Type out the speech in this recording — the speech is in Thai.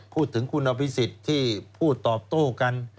พูดถึงคุณอพิสิทธิ์ที่พูดต่อโต้กัน